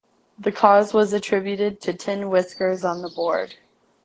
The cause was attributed to tin whiskers on the board.